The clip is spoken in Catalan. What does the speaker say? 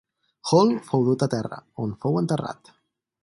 Hall fou dut a terra, on fou enterrat.